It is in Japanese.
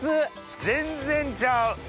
全然ちゃう！